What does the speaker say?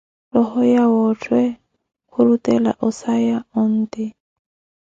Rooho ya Othwe khurutela osaya, otthwe.